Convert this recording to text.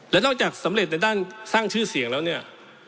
และนอกจากสำเร็จในด้านสร้างชื่อเสียงแล้วเนี่ย